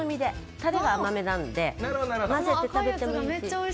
たれが甘めなんで混ぜて食べてもいいし。